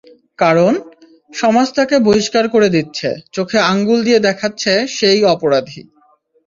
কারণ, সমাজ তাকে বহিষ্কার করে দিচ্ছে, চোখে আঙুল দিয়ে দেখাচ্ছে সে-ই অপরাধী।